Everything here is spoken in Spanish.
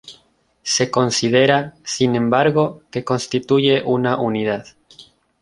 Se considera, sin embargo, que constituye una unidad.